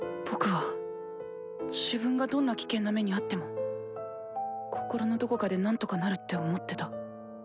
僕は自分がどんな危険な目に遭っても心のどこかで「何とかなる」って思ってた。